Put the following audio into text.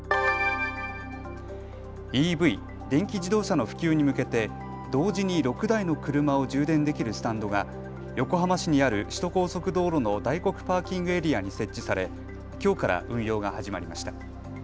ＥＶ・電気自動車の普及に向けて同時に６台の車を充電できるスタンドが横浜市にある首都高速道路の大黒パーキングエリアに設置されきょうから運用が始まりました。